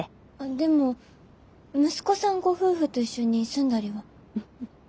でも息子さんご夫婦と一緒に住んだりは？